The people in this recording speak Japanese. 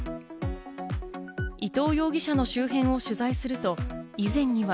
伊藤容疑者の周辺を取材すると、以前には。